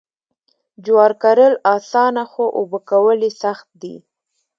جوار کرل اسانه خو اوبه کول یې سخت دي.